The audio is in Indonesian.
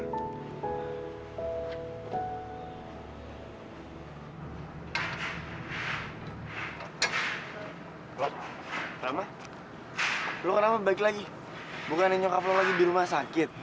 loh apa lu kenapa balik lagi bukan nyokap lo lagi di rumah sakit